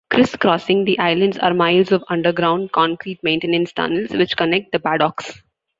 Criss-crossing the island are miles of underground concrete maintenance tunnels which connect the paddocks.